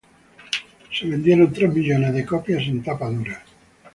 Se vendieron tres millones de copias en tapa dura.